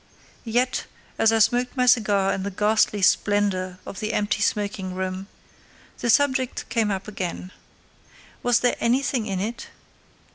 Yet, as I smoked my cigar in the ghastly splendour of the empty smoking room, the subject came up again. Was there anything in it?